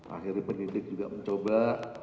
akhirnya pendidik juga mencoba